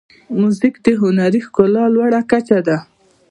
موزیک د هنري ښکلا لوړه کچه ده.